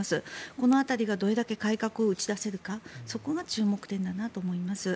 この辺りがどれだけ改革を打ち出せるかそこが注目点だなと思います。